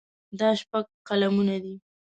دا شپږ قلمونه دي.